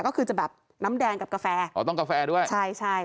ก็คือจะแบบน้ำแดงกับกาแฟอ๋อต้องกาแฟด้วยใช่ใช่